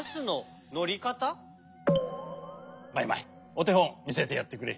マイマイおてほんみせてやってくれ。